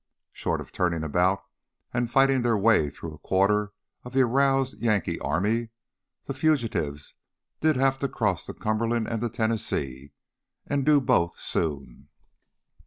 Short of turning about and fighting their way through about a quarter of the aroused Yankee army, the fugitives did have to cross the Cumberland and the Tennessee, and do both soon.